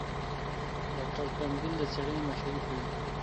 ډاکټر کمپبل د څېړنې مشري کړې.